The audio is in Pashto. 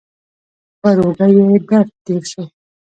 پر اوږه یې درد تېر شو.